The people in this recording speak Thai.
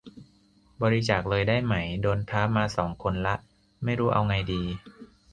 บริจาคเลยได้ไหม โดนท้ามาสองคนละ ไม่รู้เอาไงดี